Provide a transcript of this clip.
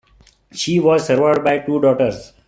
She was survived by two daughters.